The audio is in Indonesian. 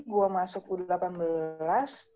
gue siapin seleksi gua masuk u delapan belas